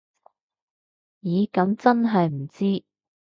咦噉真係唔知